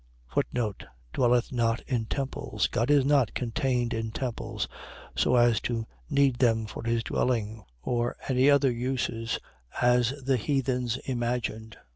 Dwelleth not in temples. . .God is not contained in temples; so as to need them for his dwelling, or any other uses, as the heathens imagined.